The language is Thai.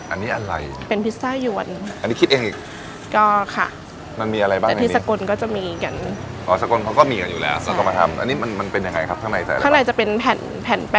อันนี้อะไรเป็นพิซซ่ายวนอันนี้คิดเองอีกละค่ะมันมีอะไรบ้างอันนี้สกลก็จะมีอย่างนี้ออสกลเขาก็มีอย่างงี้แล้วอันนี้มันเป็นยังไงครับข้างในใส้เร็วข้างใส้จะเป็นแผ่นแป้งกรอบมฮือ